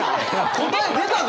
答え出たで！